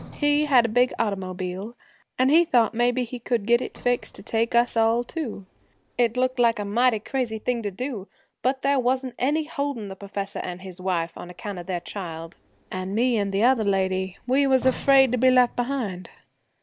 He had a big automobile, and he thought maybe he could get it fixed to take us all, too. It looked like a mighty crazy thing to do, but there wasn't any holdin' the professor an' his wife on account of their child, and me and the other lady, we was afraid to be left behind.